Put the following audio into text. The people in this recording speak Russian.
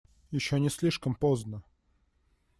Еще не слишком поздно.